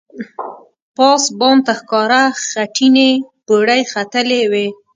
پاس بام ته ښکاره خټینې پوړۍ ختلې وې.